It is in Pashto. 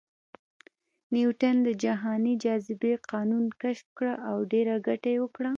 نیوټن د جهاني جاذبې قانون کشف کړ او ډېره ګټه یې وکړه